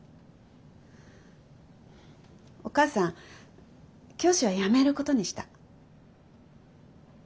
お母さん教師は辞めることにした。